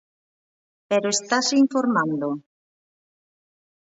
¿Pero estase informando?